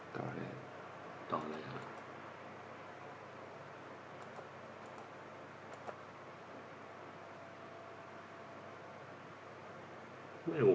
ห้องของชั้นสวัสดีท่าน